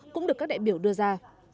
cũng được các đại biểu đưa ra